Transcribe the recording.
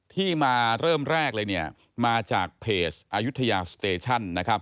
ที่มาเริ่มแรกมาจากเพจอายุธยาสเตชั่น